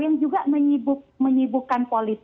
yang juga menyibukkan